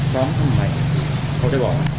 พร้อมทำไมเขาจะบอกอะไร